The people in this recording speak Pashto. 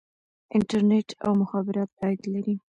انټرنیټ او مخابرات عاید لري